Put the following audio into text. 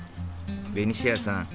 ベニシアさん